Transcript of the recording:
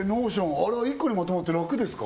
あれは１個にまとまって楽ですか？